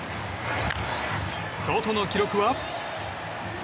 ソトの記録は。